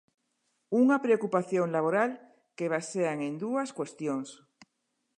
Unha preocupación laboral que basean en dúas cuestións.